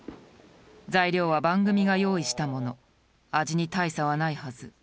材料は番組が用意したもの味に大差はないはず。